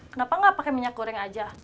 kenapa gak pake minyak goreng aja